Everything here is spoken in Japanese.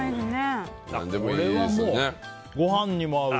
これはもうご飯にも合うし。